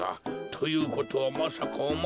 ということはまさかおまえは。